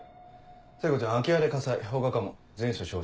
聖子ちゃん空き家で火災放火かも全署招集。